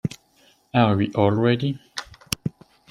Are we all ready?